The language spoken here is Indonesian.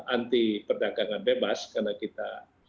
anti perdagangan bebas karena kita